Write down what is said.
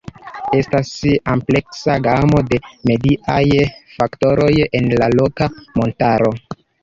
Estas ampleksa gamo de mediaj faktoroj en la Roka Montaro.